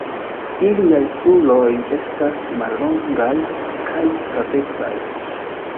Iliaj kruroj estas mallongaj kaj flavecaj.